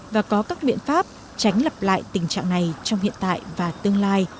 và có các biện pháp tránh lặp lại tình trạng này trong hiện tại và tương lai